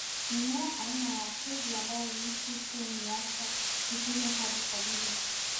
Mimea aina ya Acacia ambayo huishi tu miaka sitini hadi sabini